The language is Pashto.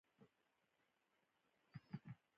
دا توپیر د ډیرو برخو پوری غځیدلی دی.